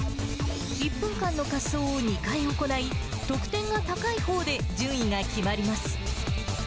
１分間の滑走を２回行い、得点が高いほうで順位が決まります。